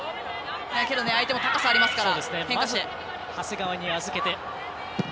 相手も高さがありますから。